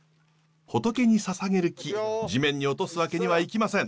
仏に捧げる木地面に落とすわけにはいきません。